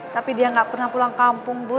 tapi dia nggak pernah pulang kampung bu